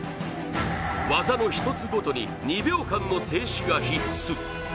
技の１つごとに２秒間の静止が必須。